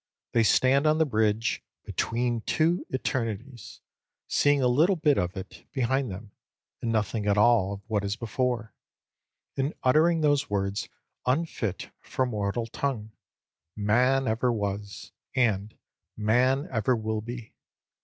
They stand on the bridge "between two eternities," seeing a little bit of it behind them, and nothing at all of what is before; and uttering those words unfit for mortal tongue, "man ever was" and "man ever will be."